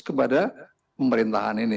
kepada pemerintahan ini